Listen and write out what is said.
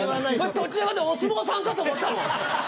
途中までお相撲さんかと思ったもん。